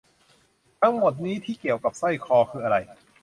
ทั้งหมดนี้ที่เกี่ยวกับสร้อยคอคืออะไร